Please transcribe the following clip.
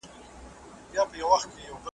ما پخوا نارې وهلې نن ریشتیا ډوبه بېړۍ ده ,